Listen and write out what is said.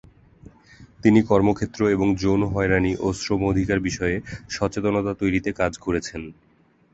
তিনি কর্মক্ষেত্র এবং যৌন হয়রানি ও শ্রম অধিকার বিষয়ে সচেতনতা তৈরিতে কাজ করেছেন।